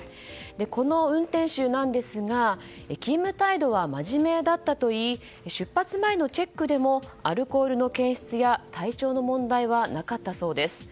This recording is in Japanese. この運転手なんですが勤務態度はまじめだったといい出発前のチェックでもアルコールの検出や体調の問題はなかったそうです。